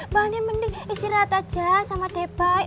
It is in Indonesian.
mbak andin mending istirahat aja sama debay